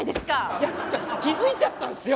いや気づいちゃったんすよ！